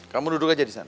kamu duduk aja di sana